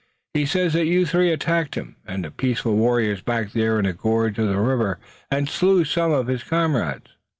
He says that you three attacked him and peaceful warriors back there in a gorge of the river, and slew some of his comrades."